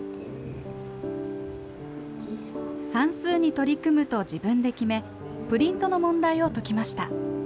算数に取り組むと自分で決めプリントの問題を解きました。